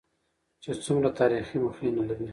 چې څومره تاريخي مخينه لري.